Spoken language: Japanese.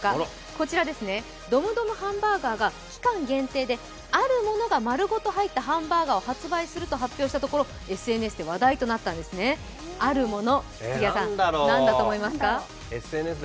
こちらですね、ドムドムハンバーガーが期間限定であるものが丸ごと入ったハンバーガーを発売すると発表したところ、ＳＮＳで話題となったんですね、あるもの、杉谷さん、何だと思いますか？